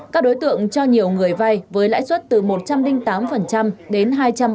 các đối tượng cho nhiều người vay với lãi suất từ một trăm linh tám đến hai trăm năm mươi